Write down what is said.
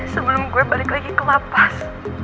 sebelum gue balik lagi ke la paz